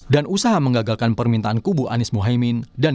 dan usaha mengagalkan permintaan kubu anies mohaimin